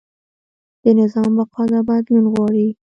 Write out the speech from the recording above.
د نظام بقا دا بدلون غواړي.